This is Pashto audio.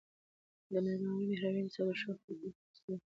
درناوی، مهرباني او انصاف د ښو اخلاقو مهم عناصر ګڼل کېږي.